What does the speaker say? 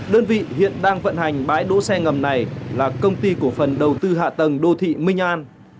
đơn vị hiện đang vận hành bãi đỗ xe ngầm này là công ty cổ phần đầu tư hạ tầng đô thị minh an